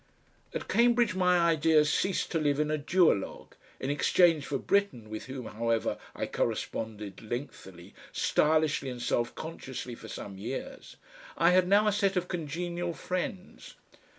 At Cambridge my ideas ceased to live in a duologue; in exchange for Britten, with whom, however, I corresponded lengthily, stylishly and self consciously for some years, I had now a set of congenial friends.